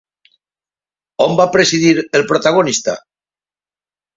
On va presidir el protagonista?